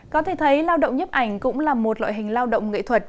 có thể thấy lao động nhấp ảnh cũng là một loại hình lao động nghệ thuật